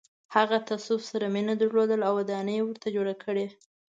هغه تصوف سره مینه درلوده او ودانۍ یې ورته جوړې کړې.